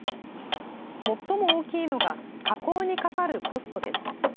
最も大きいのが加工にかかるコストです。